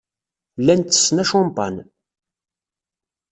Llan ttessen acampan.